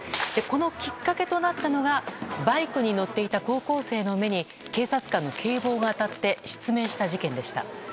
このきっかけとなったのがバイクに乗っていた高校生の目に警察官の警棒が当たって失明した事件でした。